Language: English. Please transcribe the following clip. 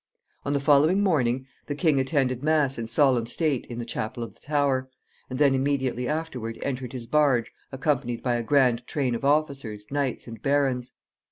On the following morning the king attended mass in solemn state in the chapel of the Tower, and then immediately afterward entered his barge, accompanied by a grand train of officers, knights, and barons.